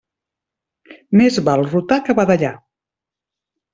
Més val rotar que badallar.